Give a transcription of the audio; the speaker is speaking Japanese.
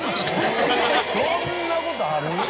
そんなことある？